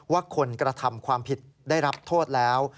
ว่าคนกระทำความผิดได้รับโทษแล้ว